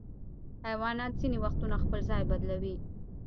حیوانات ځینې وختونه خپل ځای بدلوي.